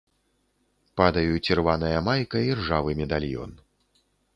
Падаюць ірваная майка і ржавы медальён.